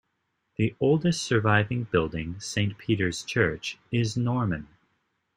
The oldest surviving building, Saint Peter's Church, is Norman.